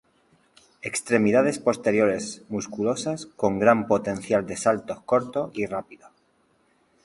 Extremidades posteriores musculosas con gran potencial de saltos cortos y rápidos.